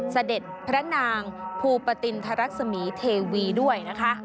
เสด็จพระนางภูปตินทรัศมีเทวีด้วยนะคะ